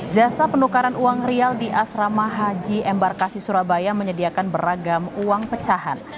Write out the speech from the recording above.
jasa penukaran uang rial di asrama haji embarkasi surabaya menyediakan beragam uang pecahan